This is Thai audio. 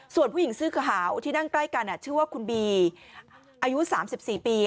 ส่วนผู้หญิงเสื้อขาวที่นั่งใกล้กันชื่อว่าคุณบีอายุ๓๔ปี